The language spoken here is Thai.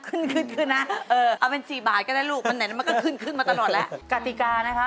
เออเอาเป็น๔บาทก็ได้ลูก